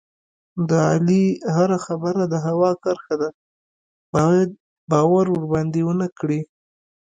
د علي هره خبره د هوا کرښه ده، باید باور ورباندې و نه کړې.